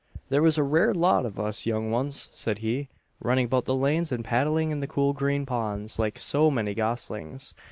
"There was a rare lot of us young ones," said he, "running about the lanes, and paddling in the cool green ponds, like so many goslings.